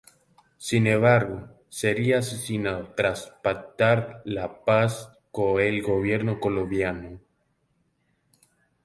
Sin embargo, sería asesinado tras pactar la paz con el gobierno colombiano.